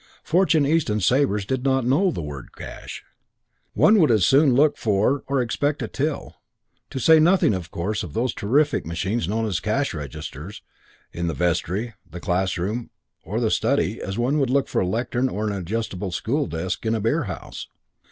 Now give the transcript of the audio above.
Fortune, East and Sabre's did not know the word cash. One would as soon look for or expect a till, to say nothing of one of those terrific machines known as cash registers, in the vestry, the classroom or the study as one would look for a lectern or an adjustable school desk in a beer house.